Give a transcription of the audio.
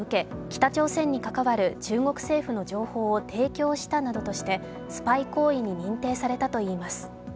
北朝鮮に関わる中国政府の情報を提供したなどとしてスパイ行為に認定されたといいます。